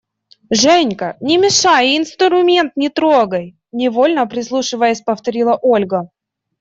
– Женька, не мешай и инструмент не трогай! – невольно прислушиваясь, повторила Ольга.